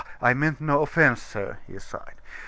I meant no offense, sir," he sighed.